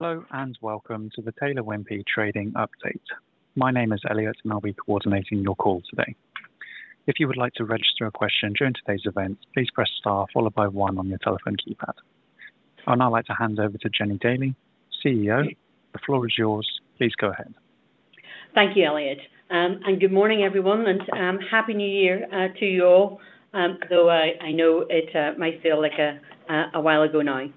Hello, and welcome to the Taylor Wimpey trading update. My name is Elliot, and I'll be coordinating your call today. If you would like to register a question during today's event, please press star followed by one on your telephone keypad. I'd now like to hand over to Jennie Daly, CEO. The floor is yours. Please go ahead. Thank you, Elliot, and good morning, everyone, and happy New Year to you all, although I know it might feel like a while ago now.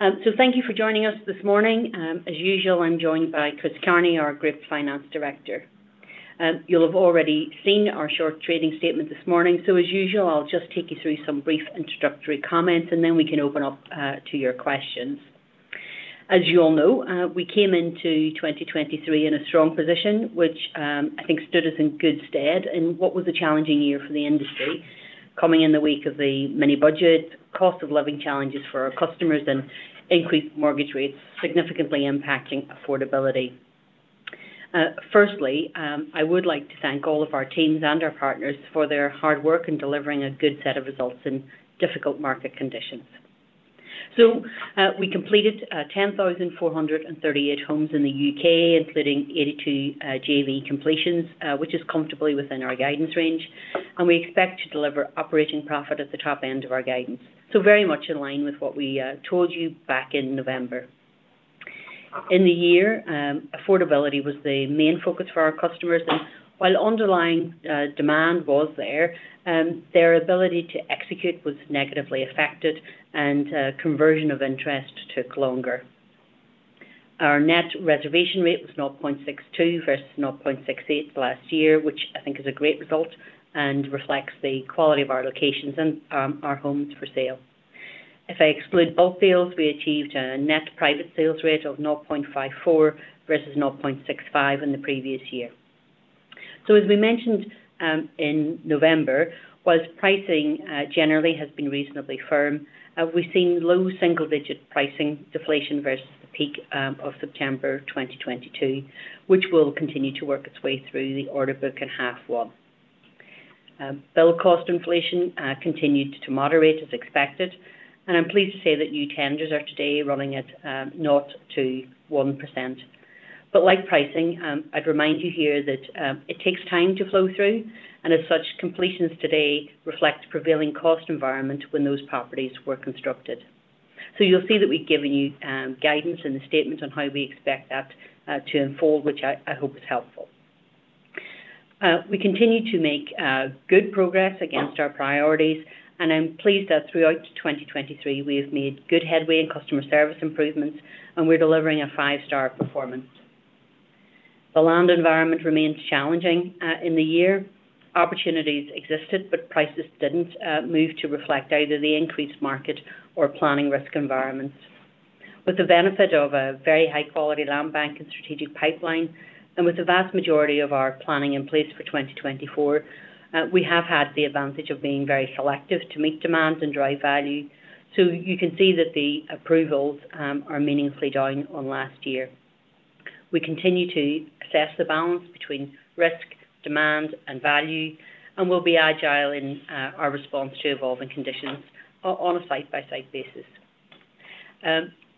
So thank you for joining us this morning. As usual, I'm joined by Chris Carney, our Group Finance Director. You'll have already seen our short trading statement this morning. So as usual, I'll just take you through some brief introductory comments, and then we can open up to your questions. As you all know, we came into 2023 in a strong position, which I think stood us in good stead in what was a challenging year for the industry, coming in the week of the Mini Budget, cost of living challenges for our customers and increased mortgage rates, significantly impacting affordability. Firstly, I would like to thank all of our teams and our partners for their hard work in delivering a good set of results in difficult market conditions. So, we completed 10,438 homes in the U.K., including 82 JV completions, which is comfortably within our guidance range, and we expect to deliver operating profit at the top end of our guidance. So very much in line with what we told you back in November. In the year, affordability was the main focus for our customers, and while underlying demand was there, their ability to execute was negatively affected and conversion of interest took longer. Our net reservation rate was 0.62 versus 0.68 last year, which I think is a great result and reflects the quality of our locations and, our homes for sale. If I exclude bulk sales, we achieved a net private sales rate of 0.54 versus 0.65 in the previous year. So as we mentioned, in November, while pricing generally has been reasonably firm, we've seen low single-digit pricing deflation versus the peak, of September 2022, which will continue to work its way through the order book in half one. Build cost inflation continued to moderate as expected, and I'm pleased to say that new tenders are today running at 0-1%. But like pricing, I'd remind you here that it takes time to flow through, and as such, completions today reflect prevailing cost environment when those properties were constructed. So you'll see that we've given you guidance in the statement on how we expect that to unfold, which I hope is helpful. We continue to make good progress against our priorities, and I'm pleased that throughout 2023, we have made good headway in customer service improvements, and we're delivering a five-star performance. The land environment remains challenging in the year. Opportunities existed, but prices didn't move to reflect either the increased market or planning risk environments. With the benefit of a very high-quality land bank and strategic pipeline, and with the vast majority of our planning in place for 2024, we have had the advantage of being very selective to meet demands and drive value. So you can see that the approvals are meaningfully down on last year. We continue to assess the balance between risk, demand, and value, and we'll be agile in our response to evolving conditions on a site-by-site basis.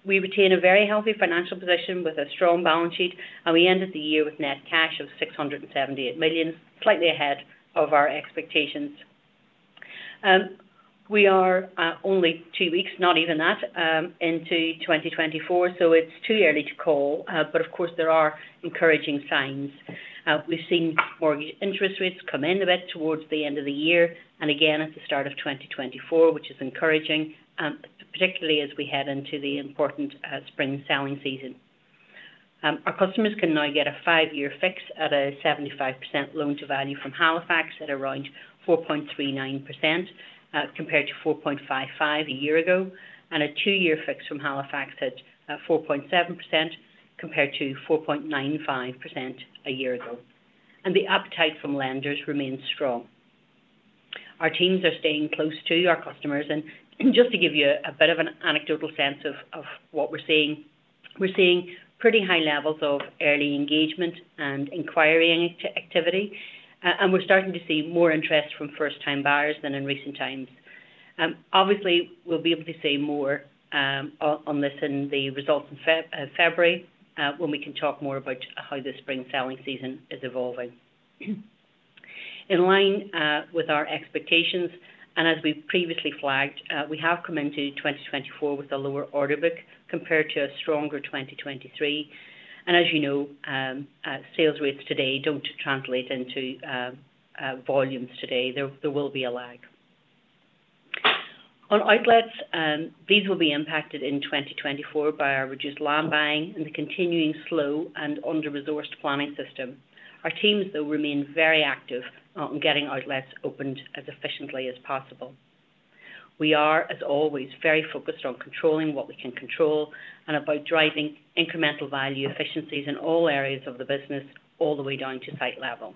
We retain a very healthy financial position with a strong balance sheet, and we ended the year with net cash of 678 million, slightly ahead of our expectations. We are only two weeks, not even that, into 2024, so it's too early to call, but of course, there are encouraging signs. We've seen mortgage interest rates come in a bit towards the end of the year and again at the start of 2024, which is encouraging, particularly as we head into the important, spring selling season. Our customers can now get a five-year fix at a 75% loan-to-value from Halifax at around 4.39%, compared to 4.55% a year ago, and a two-year fix from Halifax at, 4.7%, compared to 4.95% a year ago. And the appetite from lenders remains strong. Our teams are staying close to our customers, and just to give you a bit of an anecdotal sense of what we're seeing, we're seeing pretty high levels of early engagement and inquiry activity, and we're starting to see more interest from first-time buyers than in recent times. Obviously, we'll be able to say more on this in the results in February, when we can talk more about how the spring selling season is evolving. In line with our expectations, and as we previously flagged, we have come into 2024 with a lower order book compared to a stronger 2023. And as you know, sales rates today don't translate into volumes today. There will be a lag. On outlets, these will be impacted in 2024 by our reduced land buying and the continuing slow and under-resourced planning system. Our teams, though, remain very active on getting outlets opened as efficiently as possible. We are, as always, very focused on controlling what we can control and about driving incremental value efficiencies in all areas of the business, all the way down to site level.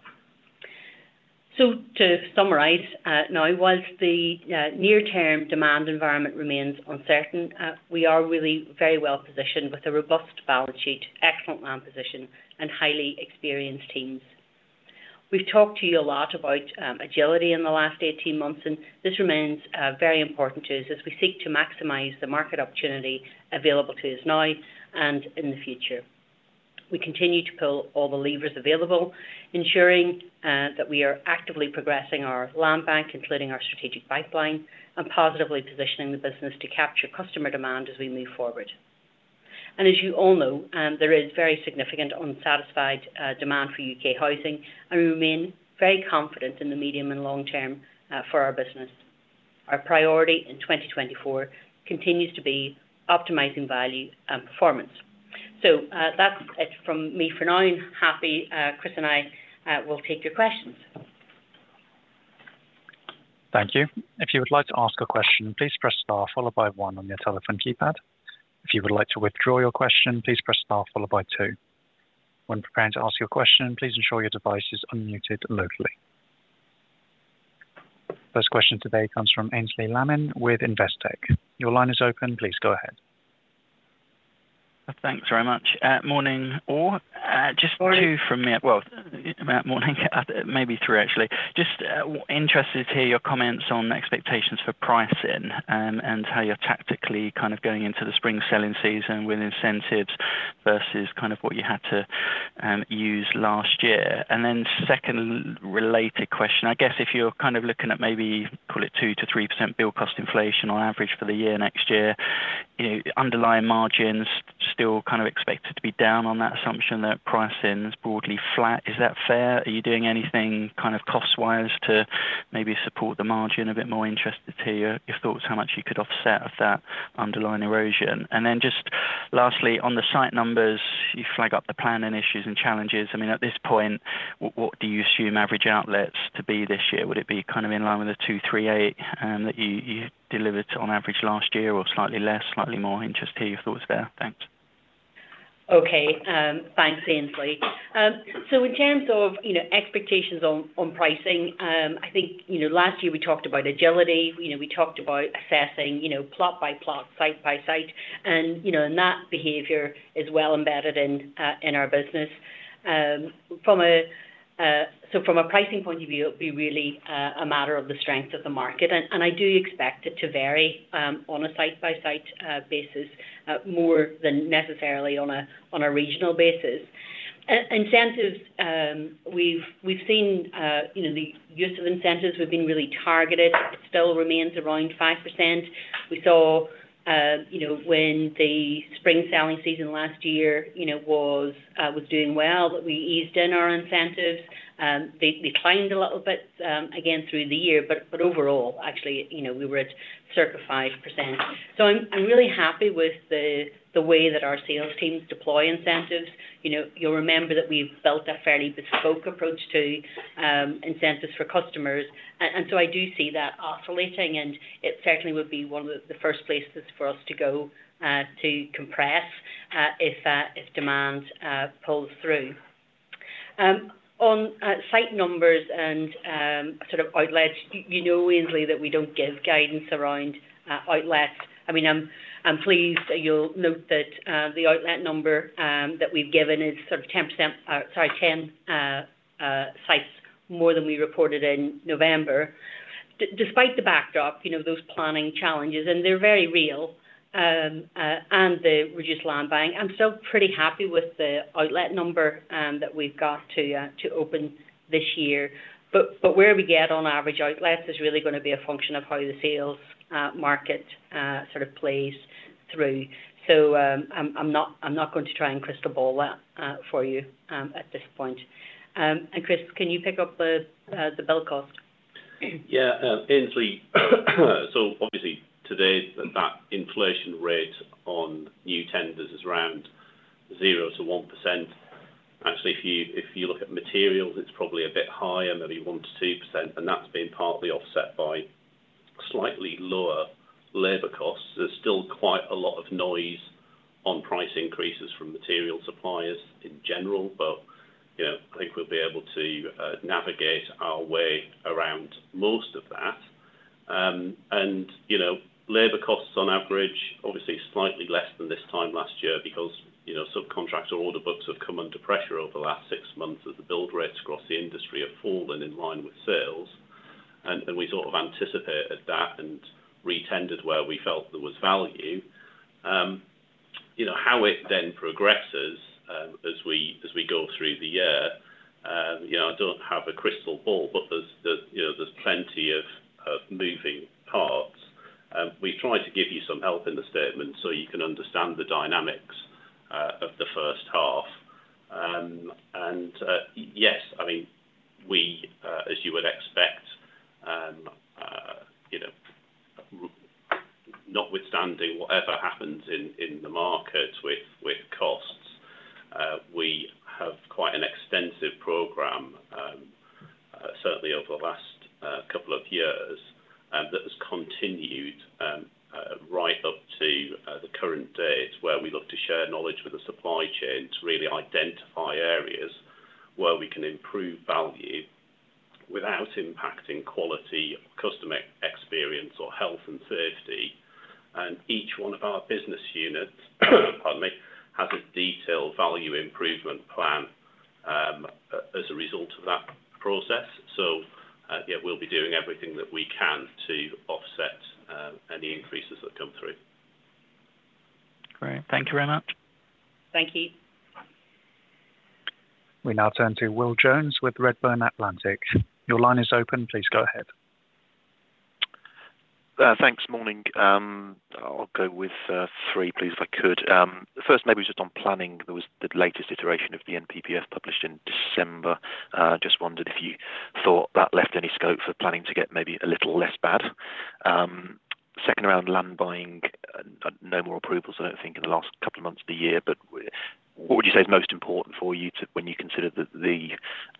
So to summarize, now, whilst the near-term demand environment remains uncertain, we are really very well positioned with a robust balance sheet, excellent land position, and highly experienced teams.... We've talked to you a lot about agility in the last 18 months, and this remains very important to us as we seek to maximize the market opportunity available to us now and in the future. We continue to pull all the levers available, ensuring that we are actively progressing our land bank, including our strategic pipeline, and positively positioning the business to capture customer demand as we move forward. And as you all know, there is very significant unsatisfied demand for U.K. housing, and we remain very confident in the medium and long term for our business. Our priority in 2024 continues to be optimizing value and performance. So that's it from me for now. I'm happy Chris and I will take your questions. Thank you. If you would like to ask a question, please press star followed by one on your telephone keypad. If you would like to withdraw your question, please press star followed by two. When preparing to ask your question, please ensure your device is unmuted locally. First question today comes from Aynsley Lammin with Investec. Your line is open. Please go ahead. Thanks very much. Morning, all. Morning. Just two from me. Well, morning, maybe three, actually. Just, interested to hear your comments on expectations for pricing, and how you're tactically kind of going into the spring selling season with incentives versus kind of what you had to, use last year. And then second related question, I guess if you're kind of looking at maybe call it 2%-3% build cost inflation on average for the year next year, you know, underlying margins still kind of expected to be down on that assumption that pricing is broadly flat. Is that fair? Are you doing anything kind of cost-wise to maybe support the margin a bit more? Interested to hear your thoughts, how much you could offset of that underlying erosion. And then just lastly, on the site numbers, you flag up the planning issues and challenges. I mean, at this point, what, what do you assume average outlets to be this year? Would it be kind of in line with the 238, that you, you delivered on average last year, or slightly less, slightly more? Interested to hear your thoughts there. Thanks. Okay, thanks, Aynsley. So in terms of, you know, expectations on, on pricing, I think, you know, last year we talked about agility, you know, we talked about assessing, you know, plot by plot, site by site, and, you know, and that behavior is well embedded in, in our business. So from a pricing point of view, it'll be really, a matter of the strength of the market, and, and I do expect it to vary, on a site-by-site, basis, more than necessarily on a, on a regional basis. Incentives, we've seen, you know, the use of incentives. We've been really targeted. It still remains around 5%. We saw, you know, when the spring selling season last year, you know, was, was doing well, but we eased in our incentives. They declined a little bit, again, through the year, but overall, actually, you know, we were at circa 5%. So I'm really happy with the way that our sales teams deploy incentives. You know, you'll remember that we've built a fairly bespoke approach to incentives for customers, and so I do see that oscillating, and it certainly would be one of the first places for us to go to compress if demand pulls through. On site numbers and sort of outlets, you know, Aynsley, that we don't give guidance around outlets. I mean, I'm pleased that you'll note that the outlet number that we've given is sort of 10%, sorry, 10 sites more than we reported in November. Despite the backdrop, you know, those planning challenges, and they're very real, and the reduced land buying, I'm still pretty happy with the outlet number, that we've got to, to open this year. But, but where we get on average outlets is really gonna be a function of how the sales, market, sort of plays through. So, I'm, I'm not, I'm not going to try and crystal ball that, for you, at this point. And, Chris, can you pick up the, the build cost? Yeah, Aynsley, so obviously, today, that inflation rate on new tenders is around 0%-1%. Actually, if you look at materials, it's probably a bit higher, maybe 1%-2%, and that's been partly offset by slightly lower labor costs. There's still quite a lot of noise on price increases from material suppliers in general, but, you know, I think we'll be able to navigate our way around most of that. And, you know, labor costs on average, obviously slightly less than this time last year, because, you know, subcontractor order books have come under pressure over the last six months as the build rates across the industry have fallen in line with sales. And we sort of anticipated that and retendered where we felt there was value. You know, how it then progresses, as we go through the year, you know, I don't have a crystal ball, but there's you know, there's plenty of moving parts. We've tried to give you some help in the statement so you can understand the dynamics of the first half. I mean, we, as you would expect, you know, notwithstanding whatever happens in the market with costs, we have quite an extensive program, certainly over the last couple of years, and that has continued, right up to the current date, where we look to share knowledge with the supply chain to really identify areas where we can improve value without impacting quality, customer experience, or health and safety. Each one of our business units, pardon me, has a detailed value improvement plan as a result of that process. Yeah, we'll be doing everything that we can to offset any increases that come through. Great. Thank you very much. Thank you. We now turn to Will Jones with Redburn Atlantic. Your line is open. Please go ahead. Thanks. Morning. I'll go with three, please, if I could. The first maybe just on planning. There was the latest iteration of the NPPF published in December. Just wondered if you thought that left any scope for planning to get maybe a little less bad? Second, around land buying, no more approvals, I don't think, in the last couple of months of the year. But what would you say is most important for you to—when you consider the, the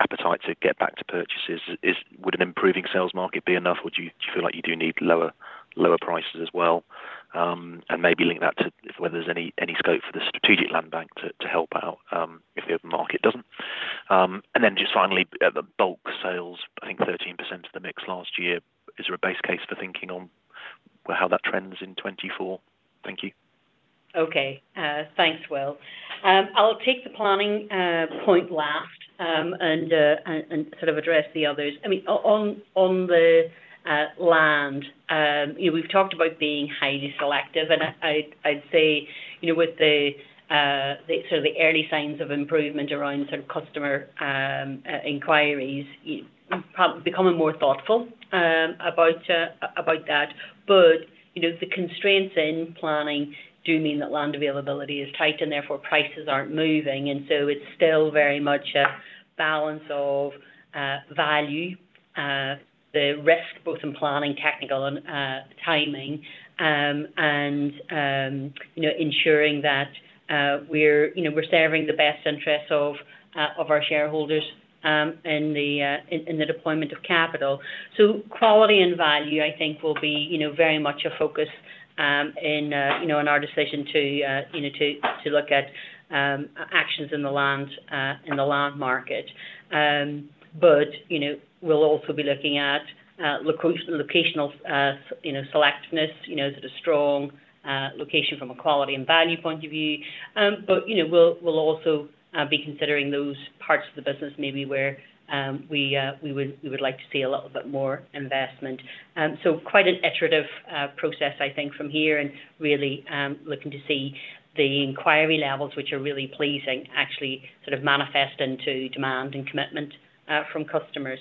appetite to get back to purchases? Is, is—would an improving sales market be enough, or do you feel like you do need lower, lower prices as well? And maybe link that to whether there's any, any scope for the strategic land bank to, to help out, if the open market doesn't. And then just finally, the bulk sales, I think 13% of the mix last year, is there a base case for thinking on how that trends in 2024? Thank you. Okay. Thanks, Will. I'll take the planning point last, and sort of address the others. I mean, on the land, you know, we've talked about being highly selective, and I'd say, you know, with the sort of the early signs of improvement around sort of customer inquiries, probably becoming more thoughtful about that. But, you know, the constraints in planning do mean that land availability is tight, and therefore prices aren't moving, and so it's still very much a balance of value, the risk, both in planning, technical and timing, and you know, ensuring that we're serving the best interests of our shareholders in the deployment of capital. So quality and value, I think, will be, you know, very much a focus in our decision to, you know, to look at actions in the land market. But, you know, we'll also be looking at locational, you know, selectiveness, you know, is it a strong location from a quality and value point of view? But, you know, we'll also be considering those parts of the business maybe where we would like to see a little bit more investment. So quite an iterative process, I think, from here and really looking to see the inquiry levels, which are really pleasing, actually sort of manifest into demand and commitment from customers.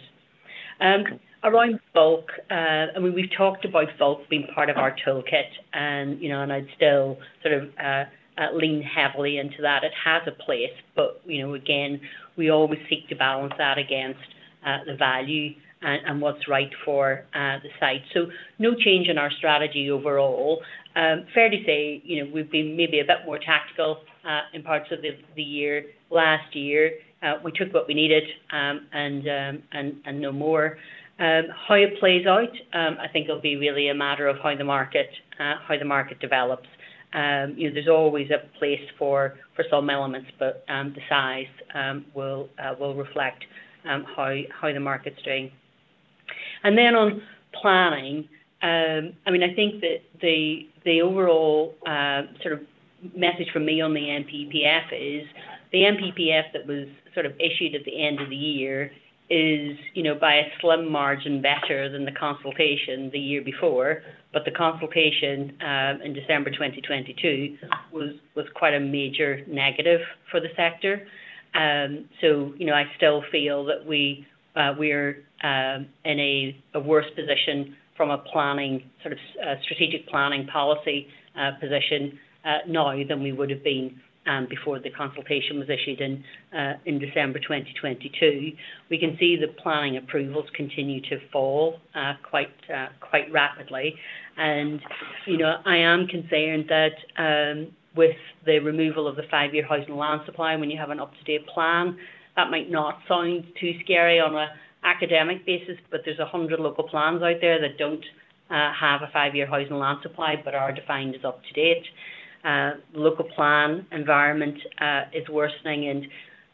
Around bulk, I mean, we've talked about bulk being part of our toolkit, and, you know, and I'd still sort of lean heavily into that. It has a place, but, you know, again, we always seek to balance that against the value and what's right for the site. So no change in our strategy overall. Fair to say, you know, we've been maybe a bit more tactical in parts of the year. Last year, we took what we needed, and no more. How it plays out, I think it'll be really a matter of how the market develops. You know, there's always a place for some elements, but the size will reflect how the market's doing. And then on planning, I mean, I think that the overall sort of message from me on the NPPF is, the NPPF that was sort of issued at the end of the year is, you know, by a slim margin, better than the consultation the year before, but the consultation in December 2022 was quite a major negative for the sector. So, you know, I still feel that we're in a worse position from a planning sort of strategic planning policy position now than we would have been before the consultation was issued in December 2022. We can see the planning approvals continue to fall quite rapidly. And, you know, I am concerned that, with the removal of the five-year housing land supply, when you have an up-to-date plan, that might not sound too scary on an academic basis, but there's 100 local plans out there that don't, have a five-year housing land supply, but are defined as up to date. Local plan environment is worsening, and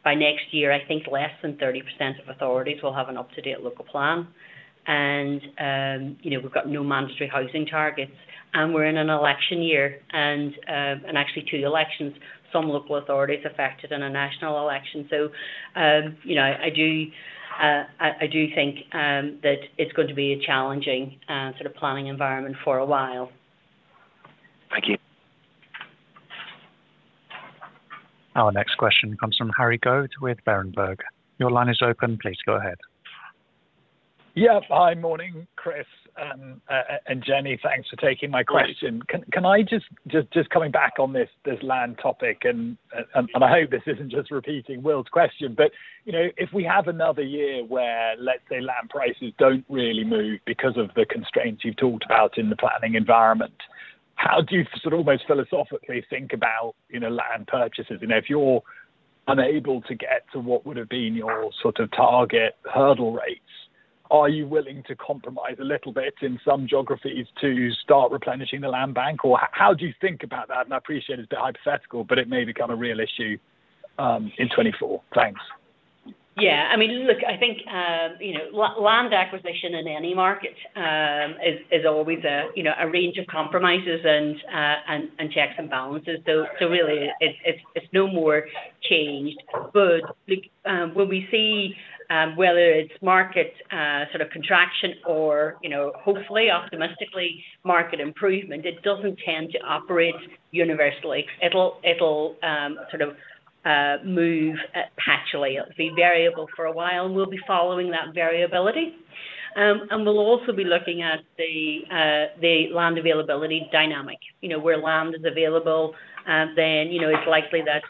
by next year, I think less than 30% of authorities will have an up-to-date Local Plan. And, you know, we've got no mandatory housing targets, and we're in an election year, and, and actually two elections, some local authorities affected in a national election. So, you know, I do, I, I do think, that it's going to be a challenging, sort of planning environment for a while. Thank you. Our next question comes from Harry Gillis with Berenberg. Your line is open. Please go ahead. Yeah. Hi, morning, Chris, and Jennie, thanks for taking my question. Can I just come back on this land topic, and I hope this isn't just repeating Will's question, but, you know, if we have another year where, let's say, land prices don't really move because of the constraints you've talked about in the planning environment, how do you sort of almost philosophically think about, you know, land purchases? You know, if you're unable to get to what would have been your sort of target hurdle rates, are you willing to compromise a little bit in some geographies to start replenishing the land bank? Or how do you think about that? And I appreciate it's a bit hypothetical, but it may become a real issue in 2024? Thanks. Yeah, I mean, look, I think, you know, land acquisition in any market is always a, you know, a range of compromises and checks and balances. So really, it's no more changed. But when we see whether it's market sort of contraction or, you know, hopefully, optimistically, market improvement, it doesn't tend to operate universally. It'll sort of move patchily. It'll be variable for a while, and we'll be following that variability. And we'll also be looking at the land availability dynamic. You know, where land is available, then, you know, it's likely that,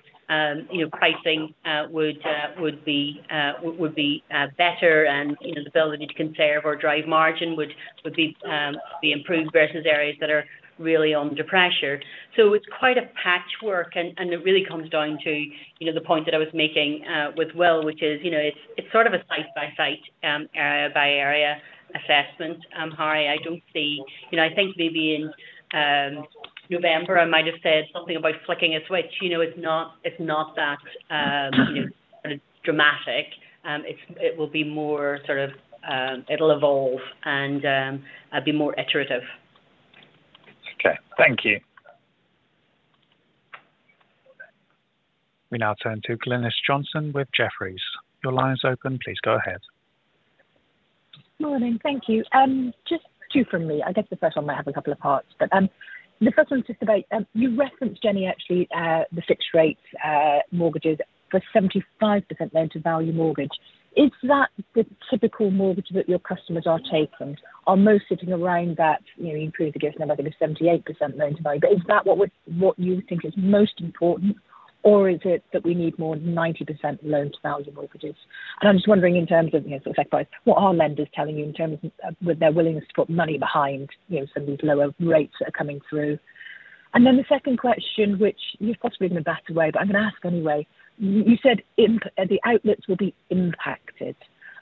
you know, pricing would be better, and, you know, the ability to conserve or drive margin would be improved versus areas that are really under pressure. So it's quite a patchwork, and it really comes down to, you know, the point that I was making, with Will, which is, you know, it's sort of a site-by-site, by-area assessment, Harry. I don't see... You know, I think maybe in November, I might have said something about flicking a switch. You know, it's not that dramatic. It will be more sort of, it'll evolve and be more iterative. Okay, thank you. We now turn to Glynis Johnson with Jefferies. Your line is open. Please go ahead. Morning. Thank you. Just two from me. I guess the first one might have a couple of parts, but the first one is about you referenced, Jennie, actually, the fixed rate mortgages for 75% loan-to-value mortgage. Is that the typical mortgage that your customers are taking? Are most sitting around that, you know, you improved against 78% loan-to-value, but is that what you think is most important, or is it that we need more 90% loan-to-value mortgages? And I'm just wondering, in terms of, you know, sort of advice, what are lenders telling you in terms of with their willingness to put money behind, you know, some of these lower rates that are coming through? And then the second question, which you've possibly been battered away, but I'm going to ask anyway. You said the outlets will be impacted,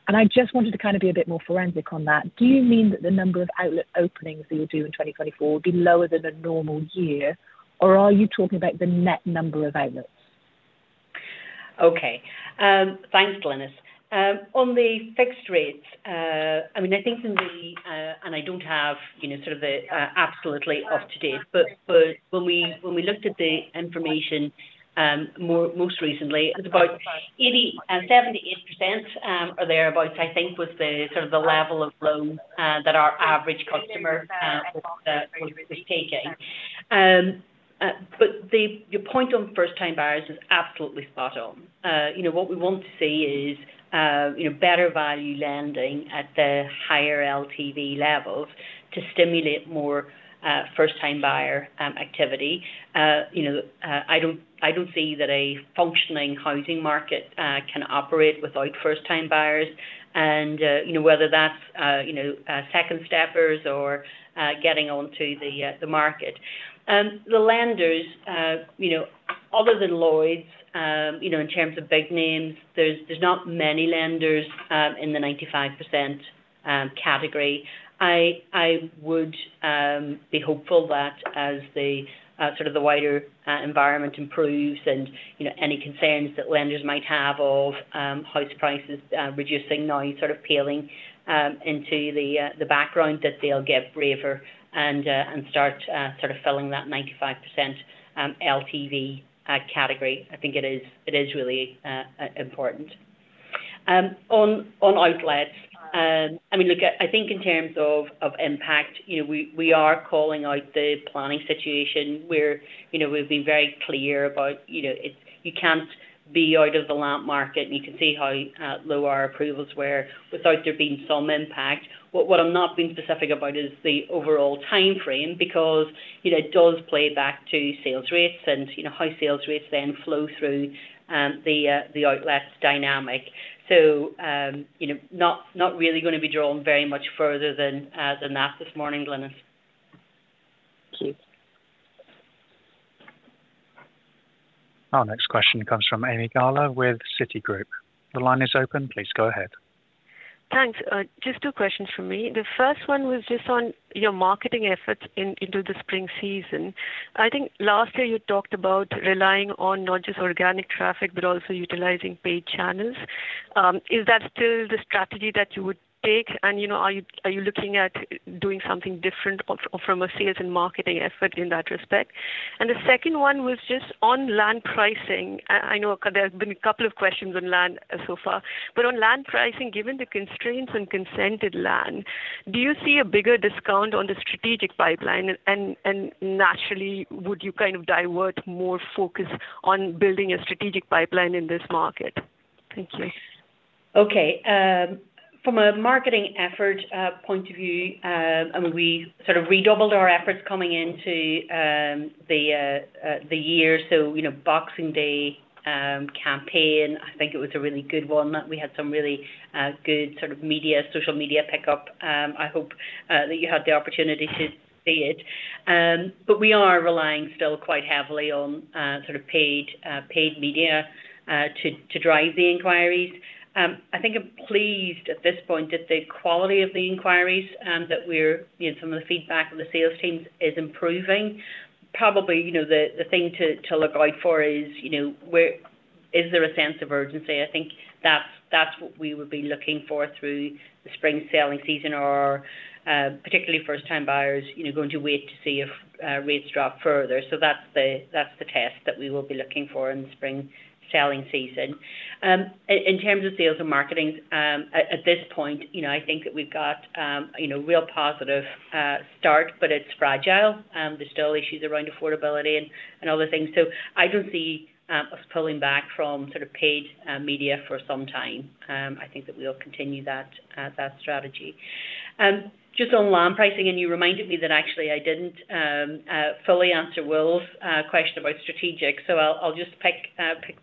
and I just wanted to kind of be a bit more forensic on that. Do you mean that the number of outlet openings that you'll do in 2024 will be lower than a normal year, or are you talking about the net number of outlets? Okay. Thanks, Glynis. On the fixed rate, I mean, I think in the, and I don't have, you know, sort of the, absolutely up-to-date, but, but when we, when we looked at the information, most recently, it was about 80%, 78%, or thereabout, I think was the sort of the level of loans, that our average customer, was taking. But the-- your point on first-time buyers is absolutely spot on. You know, what we want to see is, you know, better value lending at the higher LTV levels to stimulate more, first-time buyer, activity. You know, I don't, I don't see that a functioning housing market, can operate without first-time buyers. You know, whether that's second steppers or getting onto the market. The lenders, you know, other than Lloyds, you know, in terms of big names, there's not many lenders in the 95% category. I would be hopeful that as the sort of the wider environment improves and, you know, any concerns that lenders might have of house prices reducing now sort of paling into the background, that they'll get braver and start sort of filling that 95% LTV category. I think it is really important. On outlets, I mean, look, I think in terms of impact, you know, we are calling out the planning situation where, you know, we've been very clear about, you know, it's, you can't be out of the land market, and you can see how low our approvals were without there being some impact. What I'm not being specific about is the overall timeframe, because, you know, it does play back to sales rates, and, you know, high sales rates then flow through the outlet dynamic. So, you know, not really going to be drawing very much further than that this morning, Glynis. Thank you. Our next question comes from Ami Galla with Citigroup. The line is open. Please go ahead. Thanks. Just two questions from me. The first one was just on your marketing efforts in, into the spring season. I think last year you talked about relying on not just organic traffic, but also utilizing paid channels. Is that still the strategy that you would take? And, you know, are you, are you looking at doing something different of, from a sales and marketing effort in that respect? And the second one was just on land pricing. I know there have been a couple of questions on land so far, but on land pricing, given the constraints and consented land, do you see a bigger discount on the strategic pipeline? And, naturally, would you kind of divert more focus on building a strategic pipeline in this market? Thank you. Okay. From a marketing effort point of view, I mean, we sort of redoubled our efforts coming into the year. So, you know, Boxing Day campaign, I think it was a really good one. We had some really good sort of media, social media pickup. I hope that you had the opportunity to see it. But we are relying still quite heavily on sort of paid media to drive the inquiries. I think I'm pleased at this point that the quality of the inquiries that we're, you know, some of the feedback from the sales teams is improving. Probably, you know, the thing to look out for is, you know, where is there a sense of urgency? I think that's, that's what we would be looking for through the spring selling season or, particularly first-time buyers, you know, going to wait to see if, rates drop further. So that's the, that's the test that we will be looking for in the spring selling season. In terms of sales and marketing, at this point, you know, I think that we've got, you know, real positive start, but it's fragile. There's still issues around affordability and other things. So, I don't see us pulling back from sort of paid media for some time. I think that we'll continue that strategy. Just on land pricing, and you reminded me that actually I didn't fully answer Will's question about strategic, so I'll just pick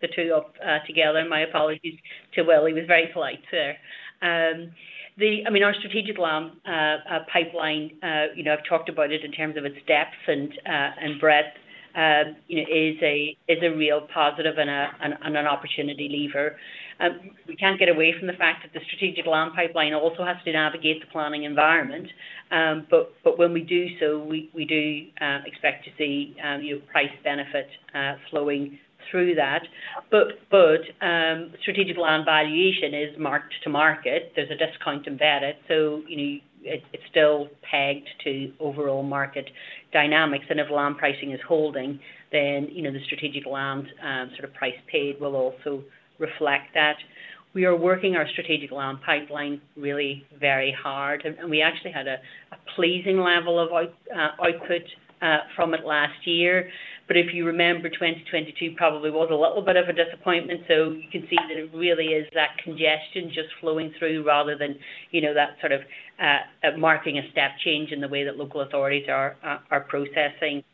the two up together. My apologies to Will. He was very polite there. I mean, our strategic land pipeline, you know, I've talked about it in terms of its depth and breadth, you know, is a real positive and an opportunity lever. We can't get away from the fact that the strategic land pipeline also has to navigate the planning environment, but when we do so, we do expect to see, you know, price benefit flowing through that. But strategic land valuation is marked to market. There's a discount embedded, so, you know, it's still pegged to overall market dynamics, and if land pricing is holding, then, you know, the strategic land sort of price paid will also reflect that. We are working our strategic land pipeline really very hard, and we actually had a pleasing level of output from it last year. But if you remember, 2022 probably was a little bit of a disappointment, so you can see that it really is that congestion just flowing through rather than, you know, that sort of marking a step change in the way that local authorities are processing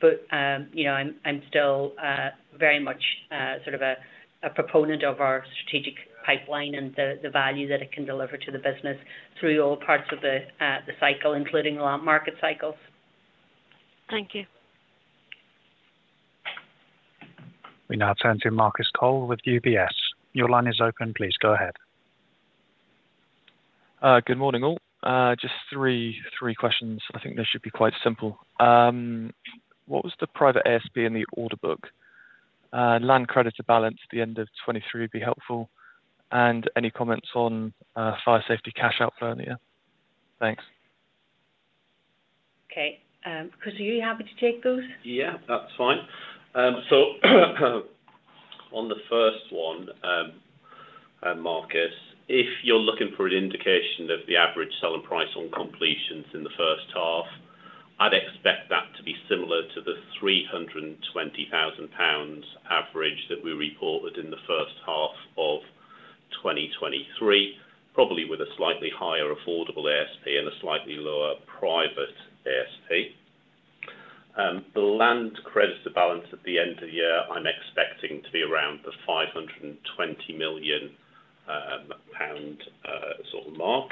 things. But you know, I'm still very much sort of a proponent of our strategic land pipeline and the value that it can deliver to the business through all parts of the cycle, including land market cycles. Thank you. We now turn to Marcus Cole with UBS. Your line is open. Please go ahead. Good morning, all. Just three questions. I think this should be quite simple. What was the private ASP in the order book? Land creditor balance at the end of 2023 would be helpful, and any comments on fire safety cash out earlier. Thanks. Okay. Chris, are you happy to take those? Yeah, that's fine. So, on the first one, Marcus, if you're looking for an indication of the average selling price on completions in the first half, I'd expect that to be similar to the 320,000 pounds average that we reported in the first half of 2023, probably with a slightly higher affordable ASP and a slightly lower private ASP. The land creditor balance at the end of the year, I'm expecting to be around the 520 million pound sort of mark.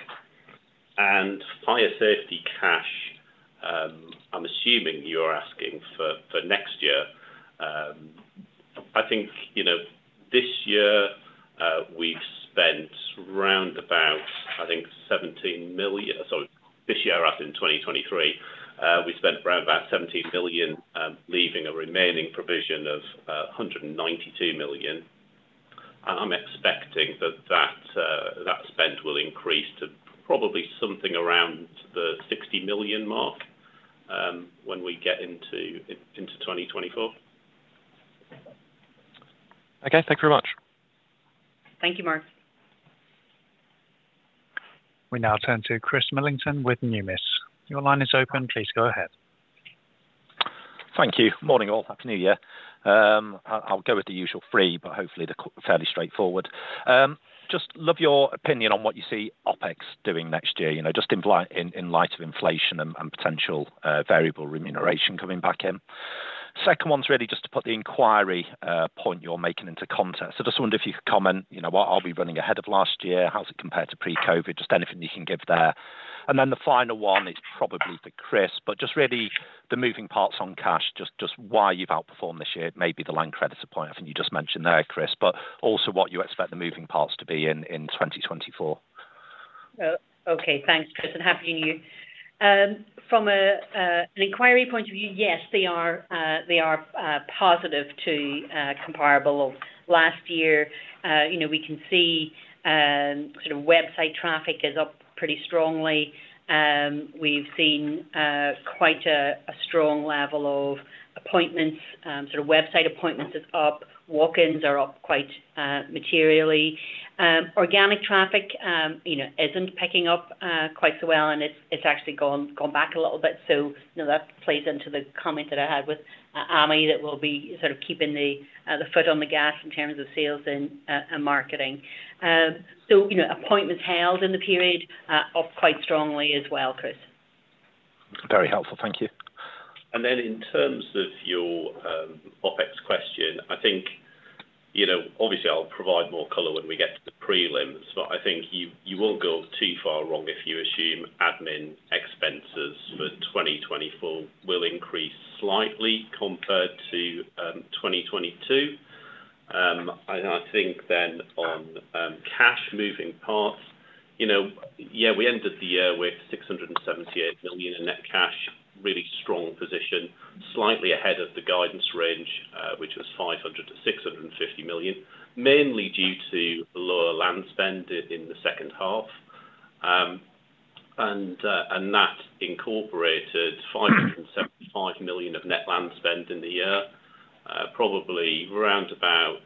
And fire safety cash, I'm assuming you're asking for next year. I think, you know, this year, we've spent round about, I think, 17 million... Sorry, this year, up in 2023, we spent round about 17 billion, leaving a remaining provision of 192 million. I'm expecting that spend will increase to probably something around 60 million, when we get into 2024. Okay. Thank you very much. Thank you, Mark. We now turn to Chris Millington with Numis. Your line is open. Please go ahead. Thank you. Morning, all. Happy New Year. I'll go with the usual three, but hopefully, they're fairly straightforward. Just love your opinion on what you see OpEx doing next year, you know, just in light of inflation and potential variable remuneration coming back in. Second one's really just to put the inquiry point you're making into context. So just wonder if you could comment, you know, what, are we running ahead of last year? How does it compare to pre-COVID? Just anything you can give there. And then the final one is probably for Chris, but just really the moving parts on cash, just why you've outperformed this year, maybe the land creditor point I think you just mentioned there, Chris, but also what you expect the moving parts to be in 2024. Okay. Thanks, Chris, and Happy New Year. From an inquiry point of view, yes, they are positive to comparable of last year. You know, we can see sort of website traffic is up pretty strongly. We've seen quite a strong level of appointments. Sort of website appointments is up. Walk-ins are up quite materially. Organic traffic, you know, isn't picking up quite so well, and it's actually gone back a little bit. So, you know, that plays into the comment that I had with Ami, that we'll be sort of keeping the foot on the gas in terms of sales and marketing. So, you know, appointments held in the period up quite strongly as well, Chris. Very helpful. Thank you. And then in terms of your OpEx question, I think, you know, obviously, I'll provide more color when we get to the prelims, but I think you won't go too far wrong if you assume admin expenses for 2024 will increase slightly compared to 2022. And I think then on cash moving parts, you know, yeah, we ended the year with 678 million in net cash, really strong position, slightly ahead of the guidance range, which was 500 million-650 million, mainly due to lower land spend in the second half. And that incorporated 575 million of net land spend in the year, probably around about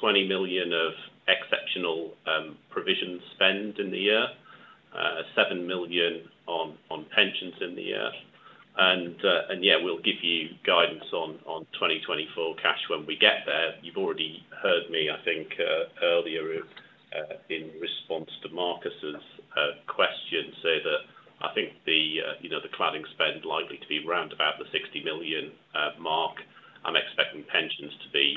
20 million of exceptional provision spend in the year, 7 million on pensions in the year. Yeah, we'll give you guidance on 2024 cash when we get there. You've already heard me, I think, earlier, in response to Marcus's question, say that I think the, you know, the cladding spend likely to be around about the 60 million mark. I'm expecting pensions to be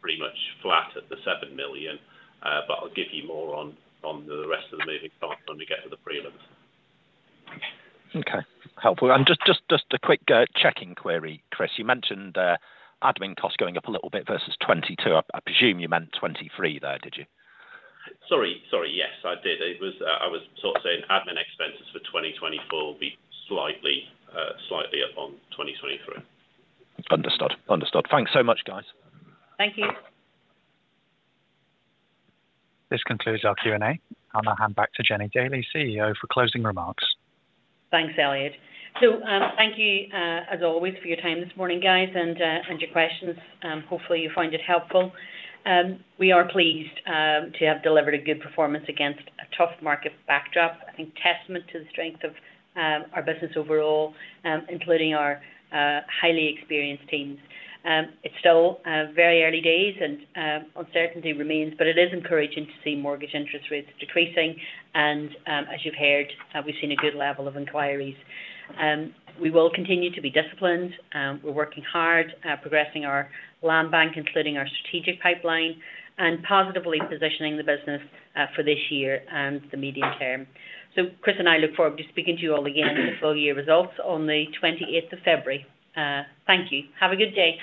pretty much flat at the 7 million, but I'll give you more on the rest of the moving parts when we get to the prelims. Okay, helpful. And just a quick checking query, Chris. You mentioned admin costs going up a little bit versus 2022. I presume you meant 2023, though, did you? Sorry, sorry. Yes, I did. It was, I was sort of saying admin expenses for 2024 will be slightly, slightly up on 2023. Understood. Understood. Thanks so much, guys. Thank you. This concludes our Q&A. I'll now hand back to Jennie Daly, CEO, for closing remarks. Thanks, Elliot. So, thank you, as always, for your time this morning, guys, and your questions. Hopefully, you find it helpful. We are pleased to have delivered a good performance against a tough market backdrop. I think testament to the strength of our business overall, including our highly experienced teams. It's still very early days and uncertainty remains, but it is encouraging to see mortgage interest rates decreasing, and as you've heard, we've seen a good level of inquiries. We will continue to be disciplined. We're working hard, progressing our land bank, including our strategic pipeline, and positively positioning the business for this year and the medium term. So, Chris and I look forward to speaking to you all again in the full year results on the 28th of February. Thank you. Have a good day.